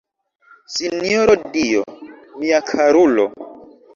Sinjoro Dio, mia karulo!